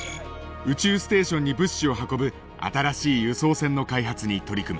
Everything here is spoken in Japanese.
宇宙ステーションに物資を運ぶ新しい輸送船の開発に取り組む。